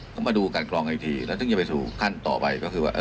ต้องมาดูการกรองอีกทีแล้วอย่าไปสู่ขั้นต่อไป